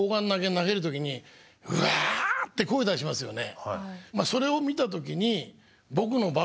投げる時に「うわ」って声出しますよね。